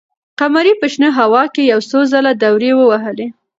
قمري په شنه هوا کې یو څو ځله دورې ووهلې.